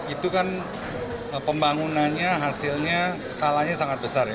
itu kan pembangunannya hasilnya skalanya sangat besar ya